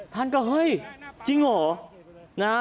ท่านก็เฮ้ยจริงเหรอ